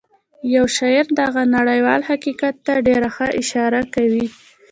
یو شاعر دغه نړیوال حقیقت ته ډېره ښه اشاره کوي